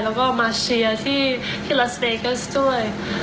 แล้วก็มาเชียร์ที่รัสเดเกิสด้วย